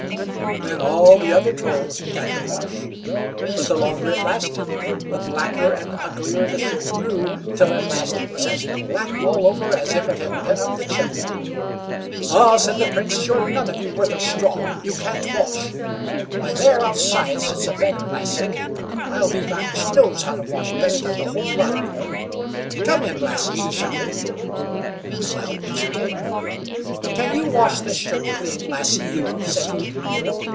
Then all the other Trolls began to wash, but the longer it lasted, the blacker and uglier the shirt grew, till at last it was as black all over as if it had been up the chimney. "Ah!" said the Prince, "you're none of you worth a straw; you can't wash. Why there, outside, sits a beggar lassie, I'll be bound she knows how to wash better than the whole lot of you. COME IN, LASSIE!" he shouted. Well, in she came. "Can you wash this shirt clean, lassie you?" said he.